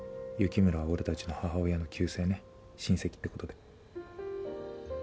雪村は俺たちの母親の旧姓ね親戚ってことで。